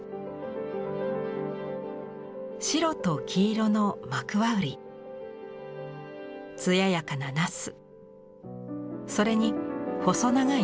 白と黄色のマクワウリ艶やかなナスそれに細長いササゲ。